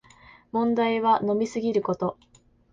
問題は飲みすぎること